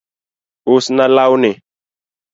Us na lawni